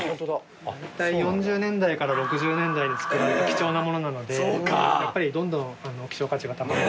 ４０年代から６０年代に作られた貴重なものなのでやっぱりどんどん希少価値が高く。